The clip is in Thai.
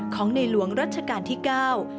ของในหลวงรัชกาลที่เก้า